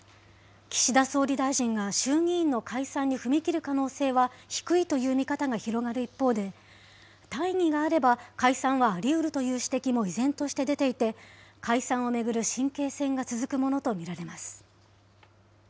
岸田総理大臣が衆議院の解散に踏み切る可能性は低いという見方が広がる一方で、大義があれば解散はありうるという指摘も依然として出ていて、解散を巡る神経戦が続くものと見られます。